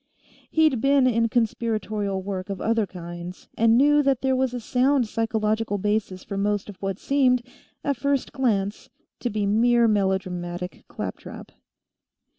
He'd been in conspiratorial work of other kinds, and knew that there was a sound psychological basis for most of what seemed, at first glance, to be mere melodramatic claptrap.